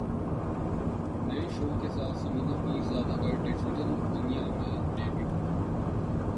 نئے شو کے ساتھ ثمینہ پیرزادہ کا ڈیجیٹل دنیا میں ڈیبیو